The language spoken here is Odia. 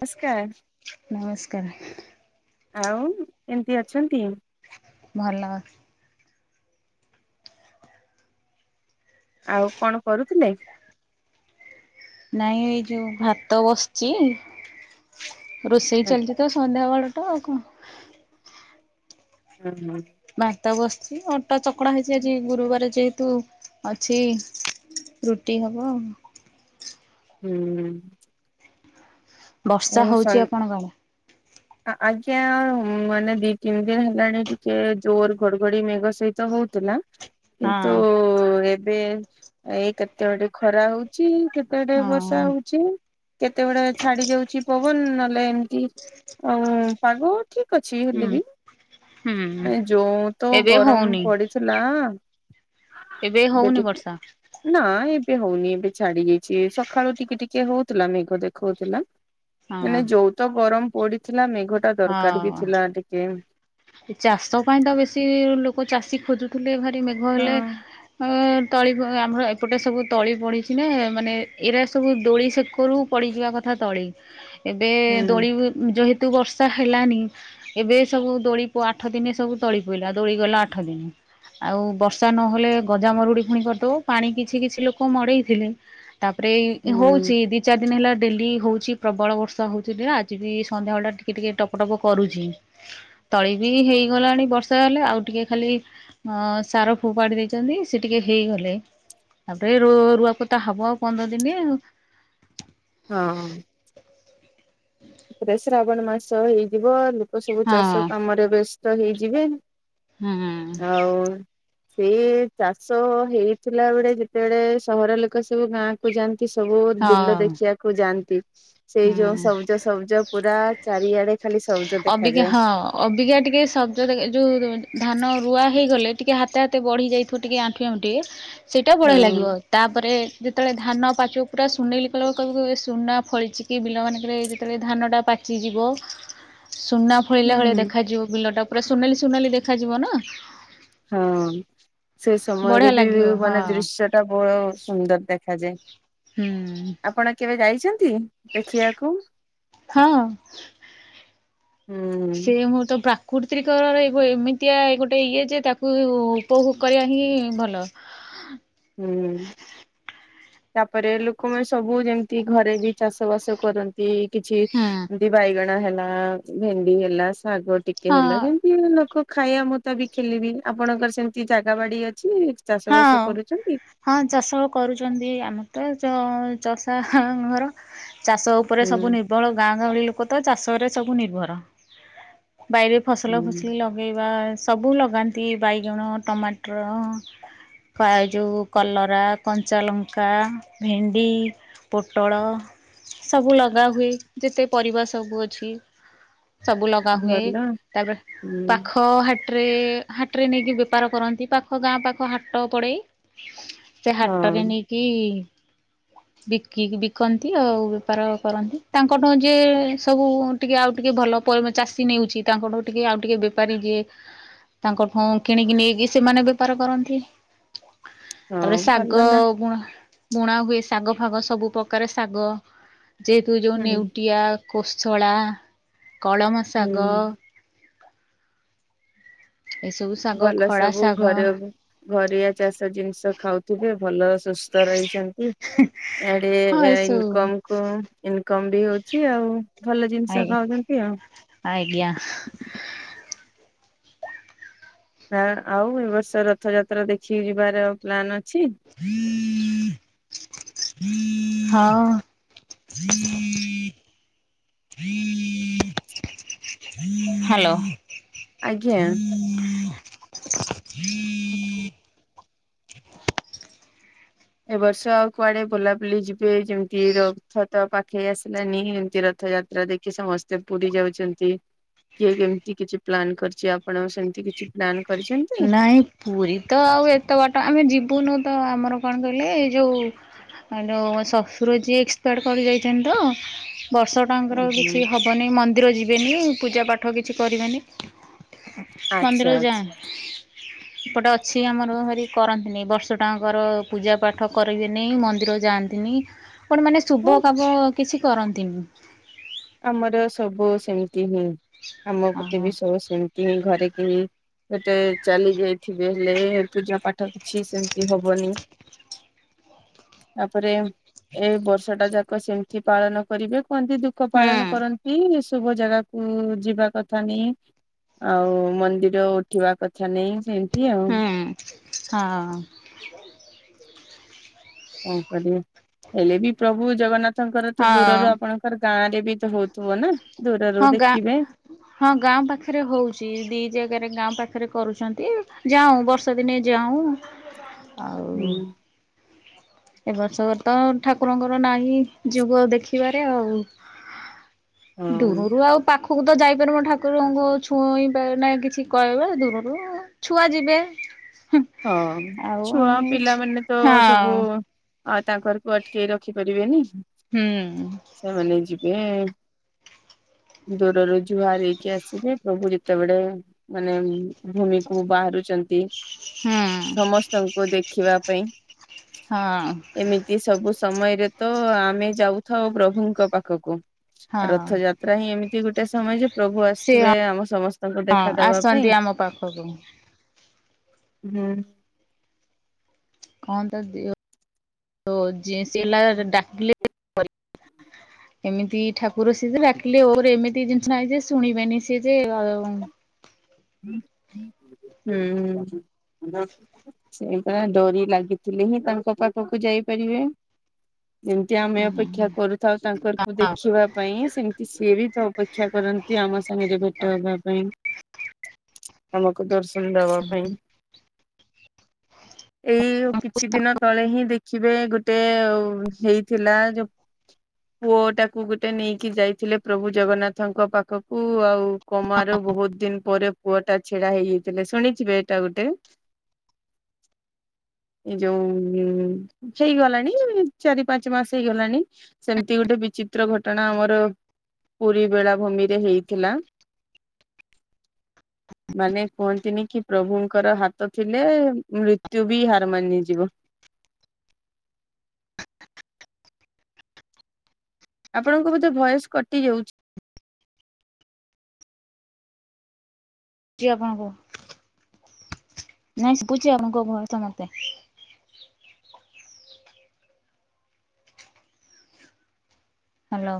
ନମସ୍କାର ନମସ୍କାରେ। ଆଉ କେମିତି ଅଛନ୍ତି? ଭଲ। ଆଉ କଣ କରୁଥିଲେ? ନାଇଁ, ଏଇ ଯୋଉ ଭାତ ବସିଛି ରୋଷେଇ ଚାଲିଚି ତ ସନ୍ଧ୍ୟା ବେଳ ଟା ଆଉ କଣ। ହୁଁ ହୁଁ। ଭାତ ବସିଚି ଅଟା ଚକଟା ହେଇଚି ଆଜି ଗୁରୁବାର ଯେହେତୁ ଅଛି ରୁଟି ହବ ଆଉ। ହୁଁ। ବର୍ଷା ଆଉ ହଉଚି ସନ୍ ଆପଣଙ୍କ ଆଡେ? ଆ ଆଜ୍ଞା ମାନେ ଦି ତିନି ଦିନ ହେଲାଣି ଟିକେ ଜୋର ଘଡଘଡି ମେଘ ସହିତ ତ ହଉଥିଲା କିନ୍ତୁ ଏବେ ଏଇ କେତେଳେ ଟକେ ଖରା ହଉଚି କେତେବେଳେ ଟକେ ହଁ ହଁ ବର୍ଷା ହଉଚି କେତେବେଳେ ଛାଡି ଯାଉ ପବନ ନହେଲେ ଏମିତି ଆଉ ପାଗ ଠିକ ଅଛି ହୁଁ ହେଲେ ବି ହୁଁ ଏ ଯୋଉ ତ ଏବେ ଗରମ ହଉନି ପଡିଥିଲା ଏବେ ହଉନି [unintelligible] ବର୍ଷା ନା ଏବ ଏବେ ହଉନି ଏବେ ଛାଡି ଯାଇଛି ସକାଳୁ ଟିକେ ଟିକେ ହଉଥିଲା ମେଘ ଦେଖଉଥିଲା ହଁ ମାନେ ଯୋଉ ତ ଗରମ ପଡିଥିଲା ମେଘଟା ଦରକାର ବି ହଁ ଥିଲା ଟିକେ ଚାଷ ପାଇଁ ତ ବେଶୀ ଲୋକ ଚାଷୀ ଖୋଜୁଥିଲେ ଭାରି ମେଘ ହଁ। ହେଲେ ଏ ତଳି ବୁହା ଆମର ଏପଟେ ସବୁ ତଳି ପଡିଚି ନା ମାନେ ଏଇରା ସବୁ ଦୋଳି ସେକରୁ ପଡିଯିବା କଥା ତଳି ଏବେ ହୁଁ ଦୋଳି ବି ଯେହେତୁ ବର୍ଷା ହେଲାନି ଏବେ ସବୁ ଦୋଳି କୁ ଆଠ ଦିନ ସବୁ ତଳି ପଇଲା ଦୋଳି ଗଲା ଆଠ ଦିନେ। ଆଉ ବର୍ଷା ନହେଲେ ଗଜା ମରୁଡି ପୁଣି କରିଦବ ପାଣି କିଛି କିଛି ଲୋକ ମଡେଇଥିଲେ ତାପରେ ଏଇ‌ ହୁଁ ହଉଚି ଦି ଚାରି ଦିନ ହେଲା ଡେଲି ହଉଛି ପ୍ରବଳ ବର୍ଷା ହଉଚି ବେଳା ଆଜି ବି ସନ୍ଧ୍ୟା ବେଳ ଟା ଟିକେ ଟିକେ ଟପ ଟପ କରୁଚି। ତଳି ବି ହେଇଗଲାଣି ବର୍ଷା ହେଲେ ଆଉ ଟିକେ ଖାଲି ଅଁ‌ ସାର ଫୋପାଡ଼ି ଦେଇଛନ୍ତି ସେ ଟିକେ ହେ ହେଇଗଲେ ତାପରେ ରୋ ରୁଆ ପତା ହବ ଆଉ ପନ୍ଦର ଦିନ ଆଉ ହଁ। ପରେ ଶ୍ରାବଣ ମାସ ହେଇଯିବ ବ ଲୋକ ସବୁ ଚାଷ କାମରେ ବ୍ୟସ୍ତ ହେଇଯିବେ। ହଁ ହୁଁ। ଆଉ ସେ ଚାଷ ହେଇଥିଲା ବଳେ ଯେତେବେଳେ ସହର ଲୋକ ସବୁ ଗାଁ କୁ ଯାଆନ୍ତି ସବୁ ବିଲ ହଁ। ଦେଖିବାକୁ ଯାଆନ୍ତି ସେଇ ଯୋଉ ହୁଁ। ସବୁଜ ସ ଅବିକା ଦେଖାଯାଏ ହଁ ଅବିକା ଟିକେ ସବୁଜ ଦେକେ ଯୋଉ ଉ ଧା ନ ରୁଆ ହେଇଗଲେ ଟିକେ ହାତ ହାତେ ବଢି ଯାଇଥିବ ଟିକେ ଆଣ୍ଠୁଏ ଆଣ୍ଠୁଏ ସେଇଟା ବଢ଼ିଆ ଲାଗିବ ହଁ ତାପରେ ଯେତେବେଳେ ଧାନ ପାଚିବ ପୁରା ସୁନେଲି କଲର କହିବୁ କହିବୁ ଏ ସୁନା ଫଳିଚି। କି ବିଲମାନଙ୍କରେ ଯେତେବେଳେ ଧାନଟା ପାଚିଯିବ ସୁନା ଫଳିଲା ଭଳିଆ ହୁଁ। ଦେଖାଯିବ ବିଲଟା ପୁରା ସୁନେଲି ସୁନେଲି ଦେଖାଯିବ ନା। ହଁ ସେ ସମୟରେ ବଢିଆ ବି ଲାଗିବ ମାନେ ହଁ ଦୃଶ୍ୟ ଟା ବହୁ ସୁନ୍ଦର ଦେଖା ଦେଖାଯାଏ ହୁଁ ଆପଣ କେବେ ଯାଇ ନ୍ତି ଦେଖିବାକୁ। ହଁ। ସେ ହୁଁ ମୁଁ ତ ପ୍ରା କୃତ୍ରିକର ଏକ ଏମିତିଆ ଗୋଟେ ଇଏ ଯେ ତାକୁ ଉପଭୋଗ କରିବା ହିଁ ଭଲ। ହୁଁ। ତାପରେ ଲୋକମାନେ ସବୁ ଯେମିତି ଘରେ ବି ଚାଷ ବାସ କରନ୍ତି। କିଛି ହୁଁ ଏମତି ବାଇଗଣ ହେଲା ଭେଣ୍ଡି ହେଲା ଶାଗ ଟିକେ ହଁ ହେଲା ଯେମିତି ଲୋକ ଖାଇବା ମୁତା ବିକ ଖେଲେବି ଆପଣଙ୍କର ସେମିତି ଜାଗା ବାଡି ଅଛି ଚାଷ ବାସ ଅ କରୁଛନ୍ତି? ହଁ ଚାଷ କରୁଛନ୍ତି ଆମର ତ ଚ ଚଷା ଘର। ଚାଷ ଉପରେ ସବୁ ହୁଁ ନିର୍ଭର ଗାଁ ଗାହଳି ଲୋକ ତ ଚାଷରେ ସବୁ ନିର୍ଭର। ବାଇରେ ଫସଲ ଫସଲି ହୁଁ ଲଗେଇବା ସବୁ ଲଗାନ୍ତି ବାଇଗଣ, ଟମାଟର [inaudible] କା ଜଉ କଲରା, କଞ୍ଚାଲଙ୍କା, ଭେଣ୍ଡି, ପୋଟଳ ସବୁ ଲଗା ହୁଏ ଯେତେ ପରିବା ସବୁ ଅଛି। ସବୁ ଲଗା ହୁଏ ଭଲ ତାପରେ ହୁଁ ପାଖ ହା ଟ୍ରେ ହାଟ୍ରେ ନେଇକି ବେପାର କରନ୍ତି ପାଖ ଗାଁ ପାଖ ହାଟ ପଡ଼େ ସେ ହାଟରେ ହଁ ନେଇକି ବିକି କି ବିକନ୍ତି ଆଉ ବେପାର କରନ୍ତି ତାଙ୍କଠାରୁ ଯେ ସବୁ ଟିକେ ଆଉ ଟିକେ ଭଲ ଭଲ ଚାଷୀ ନେଉଛି ତାଙ୍କଠାରୁ ଟିକେ ଆଉ ଟିକେ ବେପାରୀ ଯିଏ ତାଙ୍କଠୁ କିଣିକି ନେଇକି ସେମାନେ ବେପାର କରନ୍ତି। ହଁ ତାପରେ ଶାଗ ଭଲ ନା ଗୁଣ ବୁଣା ହୁଏ ଶାଗ ଫାଗ ସବୁ ପ୍ରକାର ଶାଗ ଯେହେତୁ ଯେଉଁ ହୁଁ ନେଉଟିଆ କୋଶଳା, କଳମ ଶାଗ ହୁଁ। ଏସବୁ ଶାଗ ଭଲ ଖଡ଼ା ସବୁ ଶାଗ ଘରେ ଘରିଆ ଚାଷ ଜିନିଷ ଖାଉଥିବେ ଭଲ ସୁସ୍ଥ ରହି ଚନ୍ତି ଇଆଡେ ହଁ ଏସବୁ ଇନକମ୍ କୁ ଇନକମ୍ ବି ହଉଛି ଆଉ ଭଲ ଜିନିଷ ଆଜ୍ଞା ଖାଉଛନ୍ତି। ଆଉ ଆଜ୍ଞା! ଆ ଆଉ ଏ ବର୍ଷ ରଥଯାତ୍ରା ଦେଖିକି ଯିବାର ପ୍ଲାନ୍ ଅଛି? [unintelligible] ହଁ [unintelligible] ହ୍ୟାଲୋ! ଆଜ୍ଞା! [unintelligible] ଏବ ବର୍ଷ ଆଉ କୁଆଡେ ବୁଲାବୁଲି ଯିବେ ଯେମିତି ରଥ ତ ପା ଖେଇ ଆସିଲାନି ଏମିତି ରଥଯାତ୍ରା ଦେଖି ସମସ୍ତେ ପୁରୀ ଯାଉଛନ୍ତି। କିଏ କେମିତି କିଛି ପ୍ଲାନ୍ କରିଛି ଆପଣ ସେମିତି କିଛି ପ୍ଲାନ୍ କରିଛନ୍ତି? ନାଇଁ ପୁରୀ ତ ଆଉ ଏତେ ବାଟ ଆମେ ଯିବୁନୁ ତ ଆମର କଣ କହିଲେ ଏଇ ଯଉ ଯଉ ଶଶୁର ଯିଏ ଏକ୍ସପାଡ୍ କରି ଯାଇଛନ୍ତି ତ ବର୍ଷଟାଙ୍କର ଓହୋ କିଛି ହବନି ମନ୍ଦିର ଯିବେନି ପୂଜା ପାଠ କିଛି କରିବେନି। ଆଚ୍ଛା ମନ୍ଦିର ଆଛା ଯାଆନି [inaudible] ଏପଟେ ଅଛି ଆମର ଭାରି କରନ୍ତିନି ବର୍ଷଟାଙ୍କର ପୂଜା ପାଠ କରିବେ ନେଇି ମନ୍ଦିର ଯାଆନ୍ତିନି। କଣ ମାନେ ଶୁଭ କାମ କିଛି କରନ୍ତିନି? ଆମର ସବୁ ସେମିତି ହିଁ ଆମ ପଟେ ଓହୋ। ବି ସବୁ ସେମତି ହିଁ ଘରେ କି ଟେ ଚାଲି ଯାଇଥିବେ ହେଲେ ପୂଜା ପାଠ କିଛି ସେମିତି ହବନି। ତାପରେ ଏ ବର୍ଷ ଟା ଯାକ ସେମିତି ପାଳନ କରିବେ କୁହନ୍ତି ଲୋକ ହୁଁ ପାଳନ କରନ୍ତି ସବୁ ଜାଗାକୁ ଯିବା କଥା ନାଇ ଆଉ ମନ୍ଦିର ଉଠିବା କଥା ନାଇ ହୁଁ ହଁ କଣ କରିବେ ହେଲେ ବି ପ୍ରଭୁ ଜଗନ୍ନାଥଙ୍କର ତ ଦୂରରୁ ହଁ ଆପଣଙ୍କର ଗାଁ ରେ ବି ତ ହଉଥିବ ନା ଦୂରରୁ ହଁ, ଦେଖିବେ ଗାଁ ହଁ, ଗାଁ ପାଖରେ ହଉଛି ଦି ଜାଗାରେ ଗାଁ ପାଖରେ ପାଖରେ କରୁଛନ୍ତି ଯାଉ ବର୍ଷା ଦିନେ ଯାଉଁ ଆଉ ହୁଁ ଏ ବର୍ଷ ତ ଠାକୁରଙ୍କର ନାହିଁ ଯୋଗ ଦେଖିବାରେ ଆଉ ହଁ ଦୂରରୁ ଆଉ ପାଖ ପାଖକୁ ତ ଯାଇପାରି ଠାକୁରଙ୍କୁ ଛୁଇଁ ପାରି ନାଇ କିଛି କହିବା ଦୂରରୁ ଛୁଆ ଯିବେ ହଁ, ଆଉ ଛୁଆ ଆମେ ପିଲାମାନେ ତ ହଁ ସବୁ ଆଉ ତାଙ୍କରକୁ ଅଟକେଇ ରଖିପାରିବେନି ହୁଁ ସେମାନେ ଯି ଇଏ ଦୂରରୁ ଜୁହାର ହେଇକି ଆସିବେ ପ୍ରଭୁ ଯେତେବେଳେ ମାନେ ଭୂମିକୁ ବାହାରୁଚ ନ୍ତି। ହୁଁ ସମସ୍ତଙ୍କୁ ଦେଖିବା ପାଇଁ ହଁ ଏମିତି ସବୁ ସମୟରେ ତ ଆମେ ଯାଉଥାଉ ପ୍ରଭୁଙ୍କ ପାଖକୁ ହଁ ରଥଯାତ୍ରା ହିଁ ଏମିତି ତି ଗୋଟେ ସମୟ ଯେ ପ୍ରଭୁ ସିଏ ଆସିଥିବେ ଆମ ସମସ୍ତଙ୍କୁ ହଁ ଦେଖାଦବା ପାଇଁ। ଆସନ୍ତି ଆମ ପାଖକୁ ହୁଁ। କଣ ତ ଯିଓ ସେ ଡାକିଲେ କରିବି। ଏମିତି ଠାକୁର ସି ଯେ ଡାକିଲେ ଓର ଏମିତି ଜିନିଷ ନାହିଁ ଯେ ଶୁଣିବେନି ସିଏ ଯେ ହୁଁ। ସେଇପରା ଡୋରି ଲାଗିଥିଲେ ହିଁ ତାଙ୍କ ପାଖକୁ ଯାଇପାରିବେ। ଯେମତି ଆମେ ଅପେକ୍ଷା ହୁଁ କରୁଥାଉ ତାଙ୍କରକୁ ଦେଖିବା ପାଇଁ ସେମିତି ସିଏ ବି ତ ଅପେକ୍ଷା କରନ୍ତି। ଆମ ସାଙ୍ଗରେ ଭେଟ ହବା ପାଇଁ ଆମକୁ ଦର୍ଶନ ଦବା ପାଇଁ। ଏଇ କିଛି ଦିନ ତଳେ ହିଁ ଦେଖିବେ ଗୋଟେ ହେଇଥିଲା ଯୋଉ ପୁଅଟାକୁ ଗୋଟେ ନେଇକି ଯାଇଥିଲେ ପ୍ରଭୁ ଜଗନ୍ନାଥଙ୍କ ପାଖକୁ ଆଉ କୋମାରୁ ବହୁତ ଦିନ ପରେ ପୁଅଟା ଛିଡା ହେଇଯାଇଥିଲେ ଶୁଣିଥିବେ ଏଇଟା ଗୋଟେ ଏଇ ଯୋଉ ଉଁ ହେଇଗଲାଣି ଚାରି ପାଞ୍ଚ ମାସ ହେଇଗଲାଣି ସେମିତି ଗୋଟେ ବିଚିତ୍ର ଘଟଣା ଆମର ପୁରୀ ବେଳାଭୂମିରେ ହେଇଥିଲା। ମାନେ କୁହନ୍ତିନି କି ପ୍ରଭୁଙ୍କର ହାତ ଥିଲେ ମୃତ୍ୟୁ ବି ହାର ମାନିଯିବ। ଆପଣଙ୍କ ବୋଧେ ଭଏସ୍ କଟି ଯାଉଛି ଟି ଆପଣଙ୍କୁ ନାଇଁ ଶୁବୁଛି ଆପଣଙ୍କ ଭଏସ୍ ଟା ମୋତେ ହ୍ୟାଲୋ।